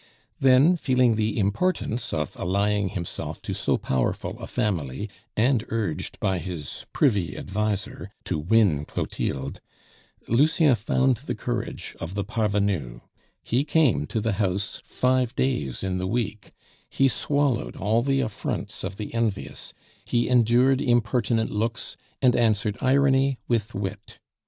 Then, feeling the importance of allying himself to so powerful a family, and urged by his privy adviser to win Clotilde, Lucien found the courage of the parvenu; he came to the house five days in the week, he swallowed all the affronts of the envious, he endured impertinent looks, and answered irony with wit.